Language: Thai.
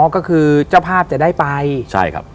ก็คือเจ้าภาพจะได้ไปใช่ครับ